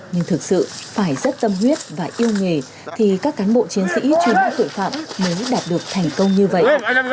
nhưng thực sự phải rất tâm huyết và yêu nghề thì các cán bộ chiến sĩ truy bắt tội phạm mới đạt được thành công như vậy